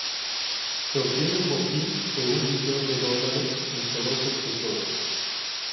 Se obtiene un botín de un billón de dólares en sedosos tesoros.